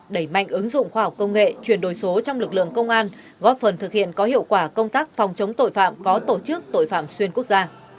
đẩy mạnh ứng dụng khoa học công nghệ truyền đổi số trong lực lượng công an góp phần thực hiện có hiệu quả công tác phòng chống tội phạm có tổ chức tội phạm xuyên quốc gia